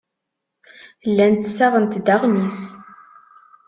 Llant ssaɣent-d aɣmis.